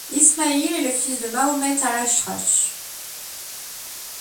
Ismail est le fils de Muhammad al-Atrash.